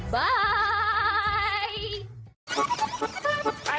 บ่าย